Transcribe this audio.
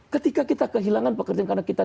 ketika kita kehilangan pekerjaan karena kita